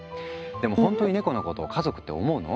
でもほんとにネコのことを家族って思うの？